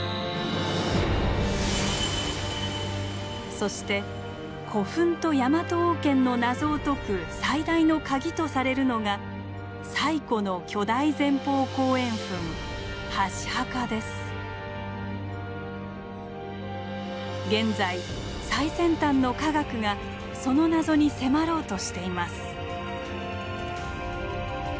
そして古墳とヤマト王権の謎を解く最大のカギとされるのが最古の巨大前方後円墳現在最先端の科学がその謎に迫ろうとしています。